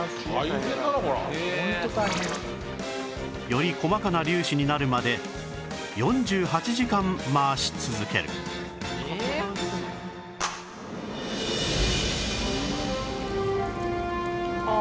より細かな粒子になるまで４８時間回し続けるああ。